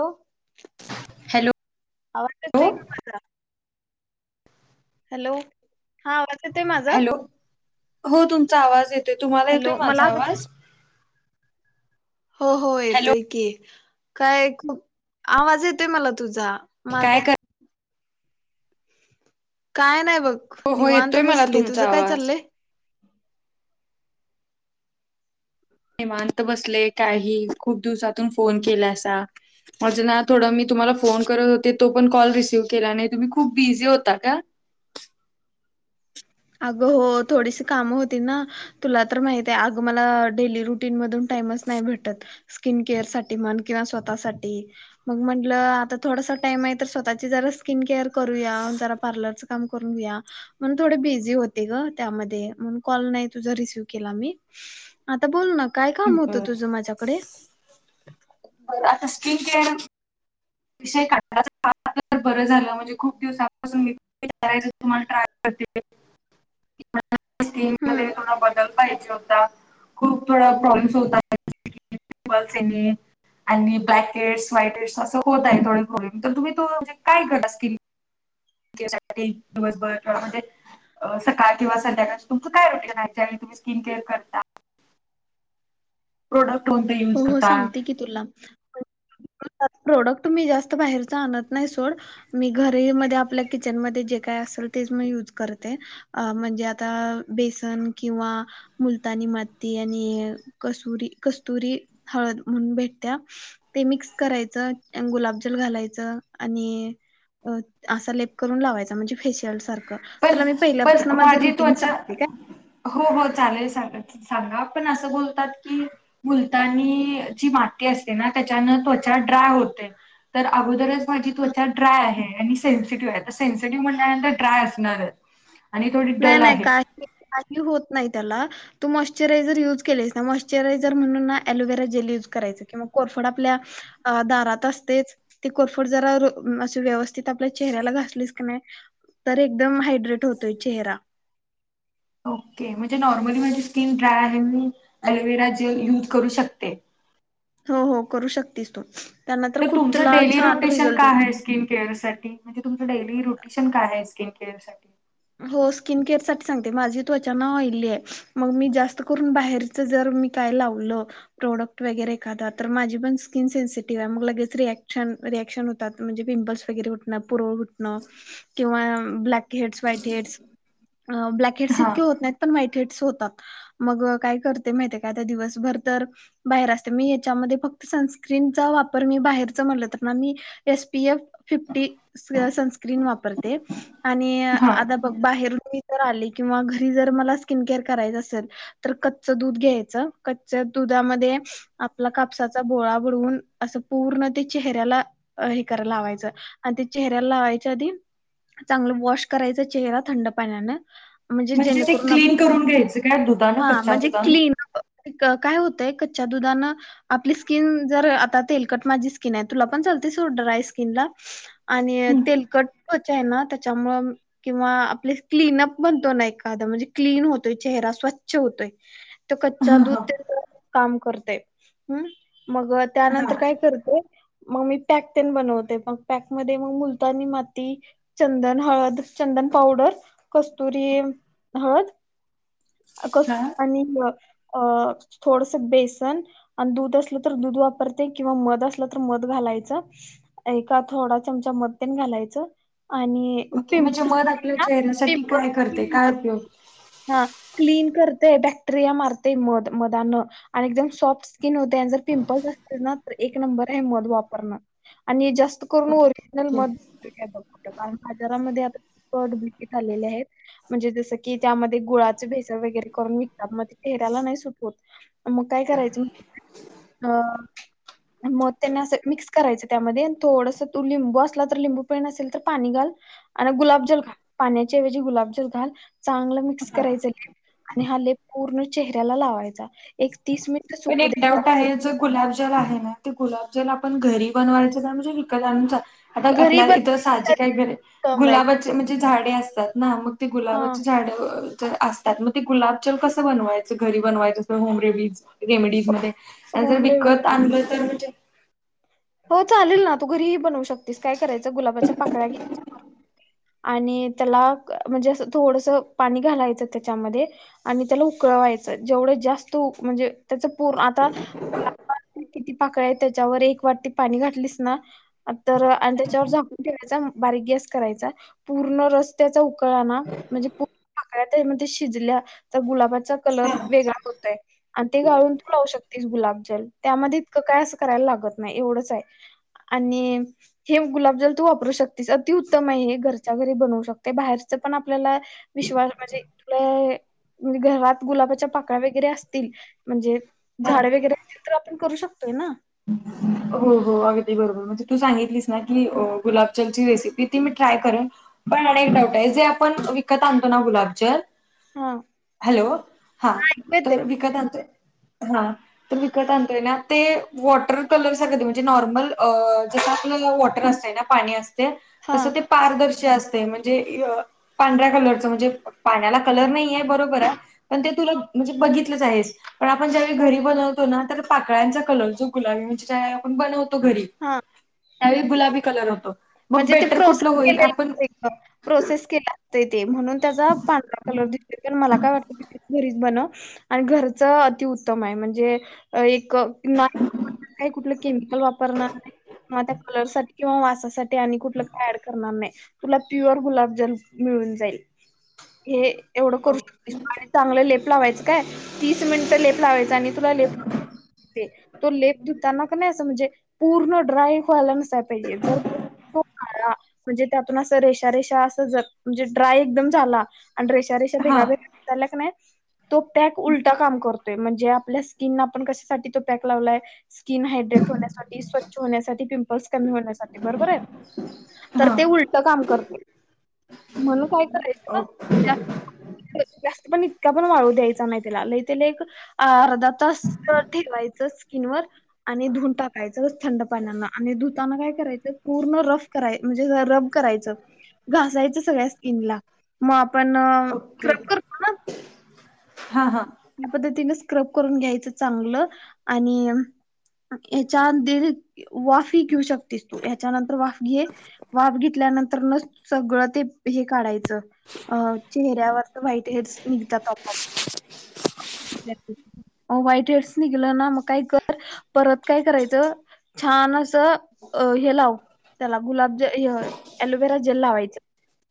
हो हॅलो आवाज येतोय का माझा हॅलो हा वाचत आहे माझं हों तुमचा आवाज येतोय तुम्हाला येतोय हॅलो मला माझा अगं तू आवाज? हों हों हॅलो येतो की काय खूप आवाज येते मला तुझा माझा काय कर काय नाही बघ हो हो निवांत येतोय मला बसले तुझं तुमचा काय आवाज चाललंय निवात बसले काही खूप दिवसातून फोन केला असं. म्हजे ना थोडं मी तुम्हाला फोन करत होते तो पण कॉल रिसीव्ह केला नाही तुम्ही खूप बिझी होता का? आगं हों थोडीशी कामं होती नां तुला तर माहिती आहे आगं मला डेली रुटीन मधून टाइमच नाही भेटत स्किन केअर साठी म्हण किंवा स्वतःसाठी मग म्हटलं आता थोडासा टाइम आहे तर स्वतःची जरा स्किन केअर करूया जरा पार्लरच काम करूया म थोड बिझी त्या क तुसव केला [unintelligible] आता बोल ना काय काम होतं बरं तुझं माझ्याकडे? आता स्कीन केअर विषय [unintelligible] बरं झालं म्हणजे खूप दिवसांपासून मी विचायच तुम्हाला ट्राय करतेय मला स्किन हम्म मध्ये थोडा बदल पाहिजे होता. खूप थोडा प्रॉब्लेम्स होता. पिंपल्स आणि ब्लॅक एडस व्हाईट एअडस असं होत आहेत होय होय तर तुम्ही तो म्हेणजे काय केला स्कीम? दिवसभर म्हणजे सकाळ किंवा संध्याकाळच्या तुमचं रोटी खायची आहे आणि तुम्ही स्किन केअर करता? प्रोडक्ट होते. हो हो सांगते की तुला प्रोडक्ट मी जास्त बाहेरचा आणत नाही सोड मी घरी म आपल्या किचनमध्ये जे काय असेल तेच मी युज करते. अ म्हणजे आता बेसन किंवा मुलतानी माती आणि कसुरी कस्तुरी हळद म्हणून भेटत्या. ते मिक्स करायचं आणि गुलाबजल घालायचं आणि असा लेप करून लावायचा म्हणजे फेशियल सारखं क पण तुला मी पण पहिल्यापासनं माझं माझी रुटीन त्वचा सांगते काय?. हो हो चालेल सांग सांगा पण असं बोलतात की मुलतानी जी माती असते ना त्याच्यान त्वचा ड्राय होते. तर अगोदरच माझी त्वचा ड्राय आहे आणि सेनसीटिव्ह आहे तर सेनसिटिव्ह म्हणल्यानंतर ड्राय अस नाय आणि थोडी डल आहे ही होत नाही त्याला तू मॉश्चरायझर युज केलेस ना मॉश्चरायझर म्हणून ना ॲलोवेरा जेल युज करायचं किंवा कोरफड आपल्या. अ दारातच तेच ते कोरफोड जरा अस व्यवस्थित आपल्या चेहऱ्याला घासलीस की नाय तर एकदम हायड्रेट होतोय चेहरा ओके, म्हणजे नॉर्मली माझी स्किन ड्राय आहे मी ॲलोवेरा जेल यूज करू शकते हों हों करू शकतीस तू त्यांन तर खूप तुमचं तुला डेली छान रोटेशन रिझल्ट काय येईल. आहे स्किन केअर साठी? म्हणजे तुमचं डेली रुटीन काय आहे स्किन केअर साठी? हो स्किन केअर साठी सांगते माझी त्वचान ऑइलीय मग मी जास्त करून बाहेर जर मी काय लावलं प्रोडक्ट वगैरे एखादा तर माझी पण स्कन सेनसिटिव्ह आहे मग लगेच रिऍक्शन रिऍक्शन म्हणजे पिंपल्स वगैरे उठणं पुरळ उठणं किंवा blackheads white head blackheads हा इतके होत नाहीत पण व्हाईट हेडस होतात मग काय करते माहिती ते काय आता दिवसभर तर बाहेर असते मी याच्यामध्ये फक्त सनस्क्रीनचा वापर मी बाहेरच म्हणलं हो तर पण मी S P F fifty sunscreen वापरते आणि हा आता बघ बाहेरुण मी आले किंवा घरी जर मला स्किन केअर करायचं असेल? तर कच्च दूध घ्यायचं कच्च्या दुधामध्ये आपला कापसाचा बोळा बडवून असं पूर्ण ते चेहऱ्याला हे करा लावायचं आणि ते चेहऱ्याला लावायच्या आधी चांगलं वॉश करायचा चेहरा थंड पाण्यान- म्हणजे ते क्लीन करून घ्यायचं काय धुत हा म्हणजे क्लीन काय होतंय कच्च्या दुधानं आपली स्किन जर आता तेलकट माझी स्किनाय तुला पण झालती सुट ड्राय स्किनला आणि हम्म तेलकट त्वचाय ना त्याच्यामुळं किंवा आपले क्लीनअप म्हणतोनां एखादा म्हणजे क्लीन होतोय चेहरा स्व च्छ् होतय तो कच्चा हा दूध हा त्याच काम करतय हम्म मग हा त्यानंतर काय करते मग मी पॅक तेन बनवते मग पॅक मध्ये मग मुलतानी माती चंदन, हळद, चंदन पावडर, कस्तुरी हळद कस हा आणि अं थोडस बेसन आणि दूध असलं तर दूध वापरते किंवा मध असला तर मध घालायचा एका थोडा चमचा मध तेन घालायचं आणि ओके म्हणजे पिंपल मध आपल्या चेहर्‍यासाठी काय करते? पिंपल काय उपयोग? हा क्लीन करते बॅक्टेरिया मारते मध मधान आणि एकदम सॉफ्ट स्किन होते आण जर पिंपल्स असतील ना एक नंबर हाय मध वापरनं. आणि जास्त करून ओरिजनल मध बघ कारण बाजारामध्ये आता फ्राॅड बिकी झालेले आहेत म्हणजे जस की त्यामध्ये गुळाचे भेसर वगैरे करून विकतात, मग ते चेहऱ्याला नाही सुट होत. मग काय करायचं? अं मग त्यांना असं मिक्स करायचं त्यामध्ये थोडस तू लिंबू असला तर लिंबू पिळ नसेल तर पाणी घाल आणि गुलाबजल पाण्याच्याऐवजी गुलाबजल घाल चांगलं मिक्स हा करायचा आणि हा लेप पूर्ण चेहऱ्याला लावायचा एक तीस मिनिट पण सुकू एक द्यायचा डाऊट आहे याचात गुलाबजल आहे ना ते गुलाबजल आपण घरी बनवायचं का म्हणजे विकत आणून चा- आता घरी आपल्या बन इथ साजे काय गुलाबाचे म्हणजे झाडे असतात ना मग ते हा गुलाबाची झाडं असतात मग ते गुलाबजल कसं बनवायचं घरी बनवायचं असं होम रेडी रेमेडीज मध्ये आणि जर होम रेमेडी विकत आणलं तर म्हणजे- हो चालेल ना तू घरीही बनवू शकतेस काय करायचं गुलाबाच्या पाकळ्या घ्यायचा आणि त्याला म्हणजे असं थोडस पाणी घालायचं त्याच्यामध्ये- आणि त्याला उकळवायचं जेवढं जास्त उ म्हणजे त्याच- पर्ण आता किती पाकळ्या आहेत त्याच्यावर एक वाटी पाणी घातलीस ना पु तर आणि त्याच्यावर झाकून ठेवायचा बारीक गॅस करायचा पूर्ण रस्ताचा. कळलना म्हणजे पूर्णकळ्या त्यामध्ये शिजल्या तर गुलाबाचा कलर हा वेगळा होतयं- आणि ते गाळून तू लावू शकतेस गुलाबजल त्यामध्ये काय असं करायला लागत नाही एवढं. चाय आणि हे गुलाबजल तू वापरू शकतेस अतिउत्तम आहे, हे घरच्या घरी बनवू शकते बाहेरचं पण आपल्याला. विश्वास म्हणजे तुला ऐ घरात गुलाबाच्या पाकळ्या वगैरे असतील म्हणजे हा झाड वगैरे असतील तर आपण करू शकतोय ना हो हो अगदी बरोबर म्हणजे तू सांगितलीस ना की गुलाबजलची रेसिपी ती मी ट्राय करेन पण अ एक डाऊट आहे जे आपण विकत आणतो ना गुलाबजल हा हॅलो हां येते तर विकत आणतोय- हा तर विकत आणतोय ना ते वॉटर कलर सारख ते म्हणजे नॉर्मल जसं आपलं वॉटर असतय ना पाणी अस- हा तस ते पारदर्शी असते म्हणजे अ पांढऱ्या कलरचं म्हणजे पाण्याला कलर नाही आहे बरोबर आहे. पण ते तुला म्हणजे बघितलंच आहेस- तर आपण ज्यावेळी हो घरी हो बनवतो ना तर पाकळ्यांचा कलर जो गुलाबी म्हणजे ज्यावेळेला आपण बनवतो घरी- हा त्यावेळी गुलाबी कलर होतो मग म्हणजे ते बेटर प्रोसेस कुठलं होईल आपण केलेलं प्रोसेस केला ते म्हणून त्याचा पांढरा कलर दिस मला काय वाटतय- घरीच बनव आणि घरच अतिउत्तम हाय म्हणजे ए- नाही काही कुठलं केमिकल वापरणार नाही किंवा त्या कलर साठी किंवा वासासाठीकल ते आणि कुठल काय ऍड करणारनाय तुला प्युअर गुलाबजल मिळून जाईल. हे एवढं करु शकतेस काय चांगलं लेप लावायचं काय तीस मिनिटं लेप लावायचं आणि तुला लेप ते तो लेप धुताना का नाही असं म्हणजे पूर्ण ड्राय व्हायला नस पाहिजे जर. तो म्हणजे त्यातून अस रेष रेषा अस म्हणजे ड्राय एकदम झाला आणि रेषा रेषा ' हा उ तो क्याप उलटा काम करतो म्हणजे आपल्यास स्किन आपण कशासाठी तो पॅक लावलायं- स्किन हायड्रेट होण्यासाठी स्वच्छ होण्यासाठी पिंपल्स कमी होण्यासाठी बरोबर आहे तर हा ते उलट काम करतील म्हणून काय करायचं. ओके त्यात जास्त पण इतका पण वाळू द्यायचा नाही तीला लय - त्याला एक अर्धा तास ठेवायचं स्किन वर आणि धुून टाकायचं थंड पाण्याना आणि धुताना काय करायचं. पूर्ण रफ करा म्हणजे रब करायचं- घासायच सगळ्या स्किनला मग आपण ओके स्ब करो हा हा ह्या पद्धतीने स्क्रब करून घ्यायचं चांगलं आणि हच्यांदरीत वाफी घेऊ शकतेस तू ह्याच्यानंतर वाफ- घे वाफ घेतल्यानंतर न सगळं ते हे काढायचं अ चेहऱ्यावरच व्हाइट हेड्स हे निघतात आपोआप वाईट वेळच निघलं ना मग काय कर परत काय करायचं. छान असं अ हे लाव त्याला गुलाब हे एलोवेरा जेल लावायच.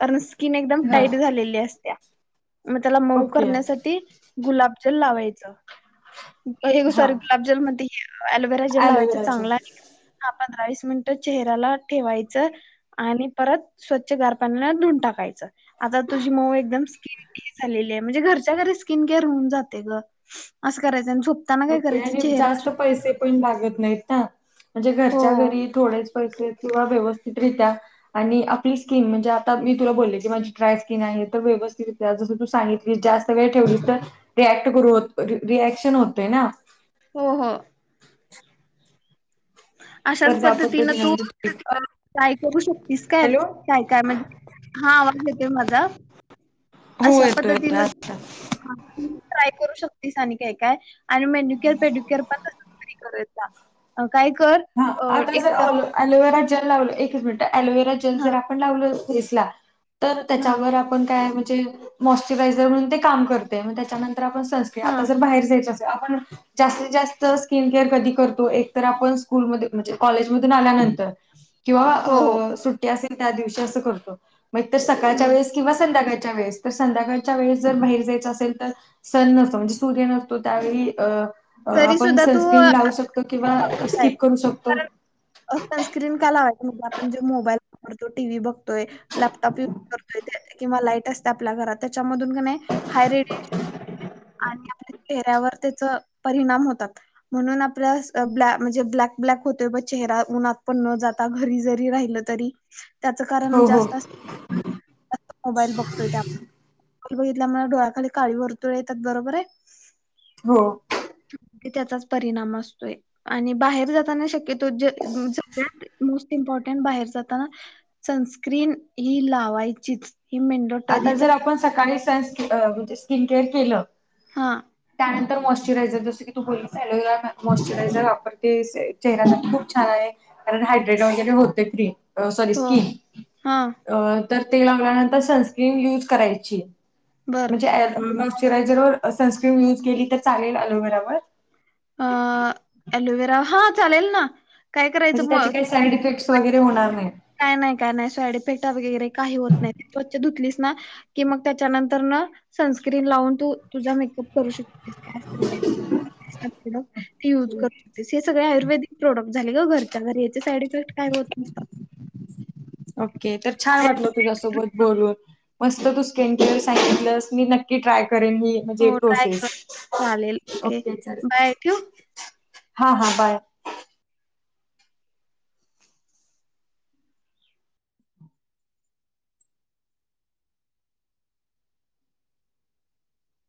कारण स्किन एकदम हां, टाईट झालेली असत्या मग त्याला मऊ ओके. करण्यासाठी गुलाबजल लावायचं हे हां, सॉरी गुलाबजल मधी एलोवेरा जेल लावायचं ॲलोवेराचं. चांगला आणि हा पंधरा वीस मिनिट चेहऱ्याला ठेवायचं आणि परत स्वच्छ गार पाण्याला धुन टाकायच. आता तुझी मऊ एकदम स्किन [unintelligible] क झालेली आहे म्हणजे घरच्या घरी स्किन क्लेअर होऊन जातय गं [unintelligible] अस करायचं आणि झोप ओके आणि जास्त पैसे पण लागत नाहीत ना म्हणजे हो घरच्या घरी थोडे पैसे किंवा व्यवस्थितरित्या आणि आपली स्किन म्हणजे आता मी तुला बोलले की माझी ड्राय स्किन आहे तर व्यवस्थित त्या जसं तू सांगितली जास्त वेळ ठेवलीस तर रिॲक्ट करू रिॲक्शन होतेय ना. हो, हो. अशाच तर त्या पद्धतीनं पद्धतीने तू म्हणजे काय करू शकतेस काय, हॅलो काय, काय म्हणजे हा आवाज येतोय माझा हो अशा येतो येतो पद्धतीन आता. ट्रय करू शकतेस आणि काय, काय आणि मेन्युक्यअर, पेड्युक्यअर पण [unintelligible] काय कर. हा अ आता एक जर टफ लो एलोवेरा जेल लावल एकच मिंनट एलोवेरा जलच हा काय आपण लावला फेसला तर हा त्याच्यावर पण काय म्हणजे मॉस्चरायझर म्हणून ते काम करते त्याच्यानंतर आपण सनस्किन हा आता जर बाहेर जायच असतं. आप जातीत जास्त स्किन केअर कधी करतो एक तर आपण कूल मध्ये म्हणजे कॉलेज मधून आल्यानंतर किंवा हो हो असेल त्या दिवशी अस करतो सकाळच्या हम्म वेळेस किंवा संध्याकाळच्या वेळेस तर संध्याकाळच्या वेळेस जर बाहेर जायचं असेल तर सण नसतो म्हणजे सूर्य नसतो त्यावेळी अ तरी आपण सुद्धा तू सनस्क्रीम लावू शकतो किंवा स्किप जायचं करू शकतो. कारण सनस्क्रीन का लावायची म्हणजे आपण जो मोबाईल तो टी व्ही बघतोय लॅपटॉप य करतोय किंवा लाईट असते आपल्या घरात त्याच्यामधून का नाही हाय रेडिएशन आणि आपल्या चेहऱ्यावर त्याच परिणाम होतात. म्हणून आपल्या ब्लॅ म्हणजे ब्लॅक, ब्लॅक होतोय ब चेहरा उन्हात पण न जाता घरी जरी राहिल तरी त्याच कारण हो हो. जास्त मोबाईल बघतोय त्या मोबाईल बघितल्या मला डोळ्याखाली काळी वर्तुळे येतात बरोबर आहे. हो. म्हे त्याचाच परिणाम असतोय. आणि बाहेर जाताना शक्यतो सगळ्यात मोस्ट इम्पॉर्टंट बाहेर जाताना. सनस्क्रीन ही लावायचीच ही मे आता जर आपण सकाळी सन म्हणजे स्किन केअर केलं हां.. त्यानंतर मॉइशचरायझर जसं की तू बोलीस ऑलोवेरा मॉस्चरायझर वापरते चेहऱ्यासाठी खूप छान आहे कारण हायड्रेट वगैरे होते क्रीम सॉरी हो स्कीन हा तर ते लावल्यानंतर सन क्रीम युज करायची बर म्हणजे ऑलोवेरा मॅसरायजर सनस्क्रीम युज केली तर चालेल अलोवेरावर? अ अलोवेरा हा चालेल ना. काय करायचं म्हणजे त्याचे मग काही साईड इफेक्ट्स वगैरे होणार नाही. काय नाही, काय नाही साईड इफेक्ट वगैरे काही होत नाही स्वच्छ धुतलीस ना कि मग त्याच्यानंतर न सनस्क्रीन लावून तू तुझा मे करु शकते प्रोडक्ट्स ती युज करू हे सगळे आयुर्वेदिक प्रोडक्ट झाले ग घरच्या तर याचे साईड इफेक्ट काय होत नसतात. ओके तर छान वाटल तुझ्या सोबत बोलून. मस्त तू स्किन केअर सांगितलंस मी नक्की ट्राय करेन मी. म्हणजे हो ट्राय कर प्रोसेस चालेल ओके चालेल बाय ठेवू? हा, हा, बाय.